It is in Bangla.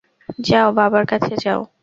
যাও, বাবার কাছে যাও।